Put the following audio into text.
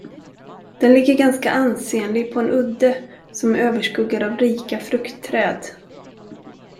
Den ligger ganska ansenlig på en udde, som är överskuggad av rika fruktträd.